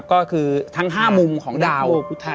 ก็คือทั้ง๕มุมของดาว